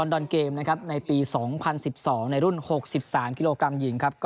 ดัง